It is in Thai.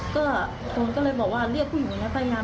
ก็โทนก็เลยบอกว่าเรียกผู้หญิงคนนั้นพยายาม